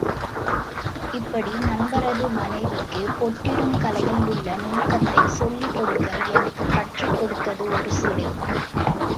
இப்படி நண்பரது மனைவிக்குப் பொட்டிடும் கலையில் உள்ள நுணுக்கத்தைச் சொல்லிக் கொடுக்க எனக்குக் கற்றுக் கொடுத்தது ஒரு சிலை.